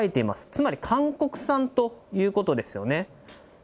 つまり、韓国産ということですよね。